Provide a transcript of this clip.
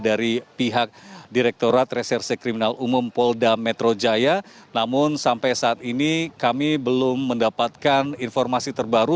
dari pihak direkturat reserse kriminal umum polda metro jaya namun sampai saat ini kami belum mendapatkan informasi terbaru